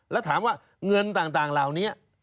แล้วถามว่าเงินต่างเหล่านี้